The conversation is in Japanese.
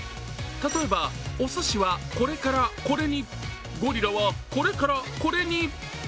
例えばおすしはこれからこれに、ゴリラはこれからこれに。